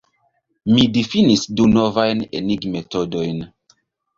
Mi difinis du novajn enigmetodojn.